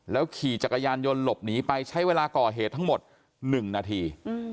ขี่จักรยานยนต์หลบหนีไปใช้เวลาก่อเหตุทั้งหมด๑นาที